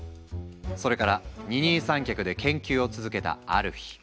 それから二人三脚で研究を続けたある日。